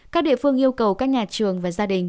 các địa phương yêu cầu các nhà trường và gia đình